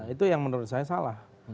itu yang menurut saya salah